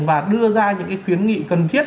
và đưa ra những cái khuyến nghị cần thiết